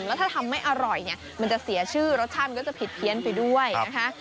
แล้วถ้าทำไม่อร่อยเนี่ยมันจะเสียชื่อรสชาติมันก็จะผิดเพี้ยนไปด้วยนะคะ